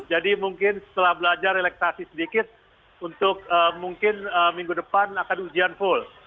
jadi mungkin setelah belajar relaksasi sedikit untuk mungkin minggu depan akan ujian full